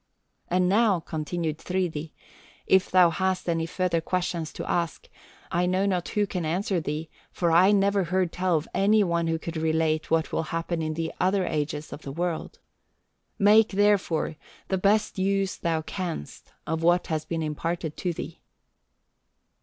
"And now," continued Thridi, "if thou hast any further questions to ask, I know not who can answer thee, for I never heard tell of any one who could relate what will happen in the other ages of the world. Make, therefore, the best use thou canst of what has been imparted to thee."